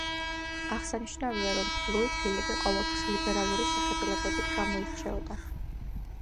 აღსანიშნავია, რომ ლუი ფილიპი ყოველთვის ლიბერალური შეხედულებებით გამოირჩეოდა.